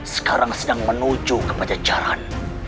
sekarang sedang menuju ke pacaran